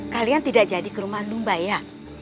kalian tidak jadi ke rumah andung baya